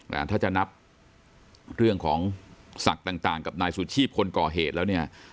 ถ้าจะนับเรื่องของศักดิ์ต่างต่างกับนายสุชีพคนก่อเหตุแล้วเนี่ย